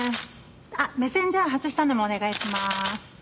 目線じゃあ外したのもお願いします。